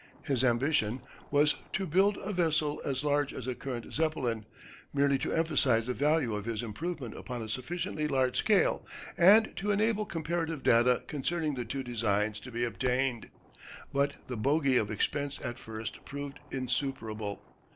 His ambition was to build a vessel as large as the current Zeppelin, merely to emphasise the value of his improvement upon a sufficiently large scale, and to enable comparative data concerning the two designs to be obtained. But the bogey of expense at first proved insuperable.